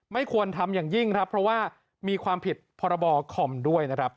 ไม่ควรทำอย่างยิ่งครับเพราะว่ามีความผิดพรบคอมด้วยนะครับ